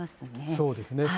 そうですね。